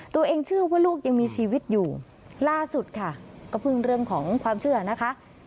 เชื่อว่าลูกยังมีชีวิตอยู่ล่าสุดค่ะก็เพิ่งเรื่องของความเชื่อนะคะ